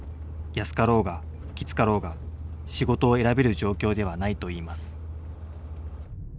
安かろうがきつかろうが仕事を選べる状況ではないといいます。